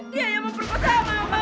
dia yang memperkosa mama pak